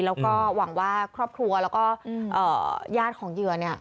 แล้วก็หวังว่าครอบครัวแล้วก็ญาติของเหยื่อเนี่ย